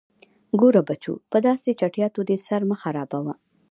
_ګوره بچو، په داسې چټياټو دې سر مه خرابوه.